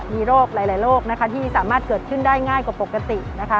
มีหลายโรคที่สามารถเกิดขึ้นได้ง่ายกว่าปกติ